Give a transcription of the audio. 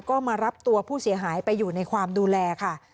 ก็มารับตัวผู้เสียหายไปอยู่ในความดูแลค่ะ